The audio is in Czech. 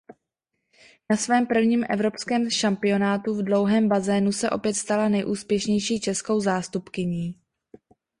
Na svém prvním evropském šampionátu v dlouhém bazénu se opět stala nejúspěšnější českou zástupkyní.